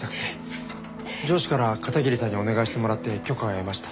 上司から片桐さんにお願いしてもらって許可を得ました。